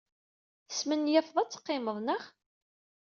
Tesmenyafed ad teqqimed, naɣ?